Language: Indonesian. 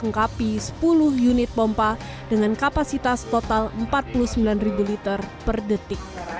mengungkapi sepuluh unit pompa dengan kapasitas total empat puluh sembilan liter per detik